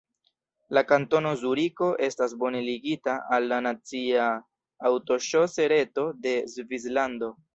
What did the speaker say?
La Kantono Zuriko estas bone ligita al la nacia aŭtoŝose-reto de Svislando.